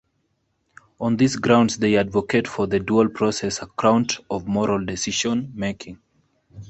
On these grounds, they advocate for the dual-process account of moral decision-making.